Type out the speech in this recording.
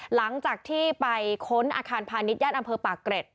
หลังจากที่ไปค้นอาคารพาณิชย่านอำเภอปากเกร็ด